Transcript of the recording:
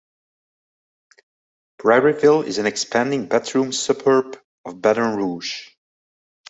Prairieville is an expanding bedroom suburb of Baton Rouge.